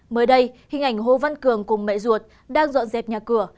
mới đây hình ảnh hồ văn cường cùng mẹ ruột đang dọn dẹp nhà cửa